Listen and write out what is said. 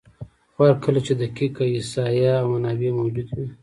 خو هر کله چې دقیق احصایه او منابع موجود وي،